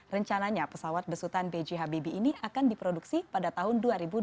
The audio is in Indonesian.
rencananya pesawat besutan bghb ini akan diproduksi pada tahun dua ribu dua puluh lima